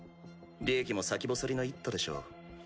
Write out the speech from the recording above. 利益も先細りの一途でしょう。